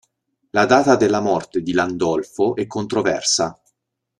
La data della morte di Landolfo è controversa.